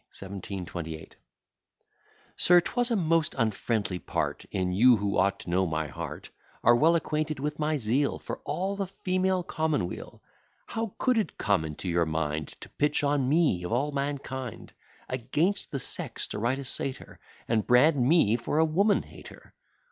1728 SIR, 'twas a most unfriendly part In you, who ought to know my heart, Are well acquainted with my zeal For all the female commonweal How could it come into your mind To pitch on me, of all mankind, Against the sex to write a satire, And brand me for a woman hater?